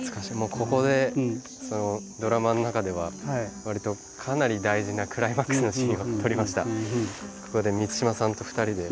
ここでドラマの中ではわりとかなり大事なクライマックスのシーンを撮りました。